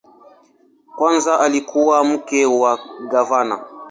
Kwanza alikuwa mke wa gavana.